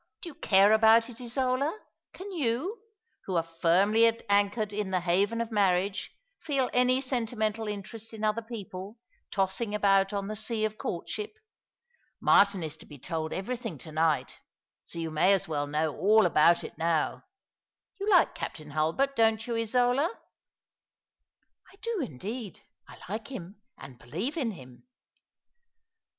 Do you care about it, Isola? Can you, who are firmly anchored in the haven of marriage, feel any sentimental interest in other people, tossing about on the sea of courtship? Martin is to be told everything to night— so you may as well know all about it now. You like Captain Hulbert, don't you, Isola ?"I do, indeed. I like him, and believe in him."